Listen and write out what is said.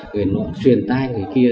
người nội truyền tai người kia